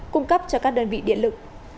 cung cấp cho các đơn vị điện lực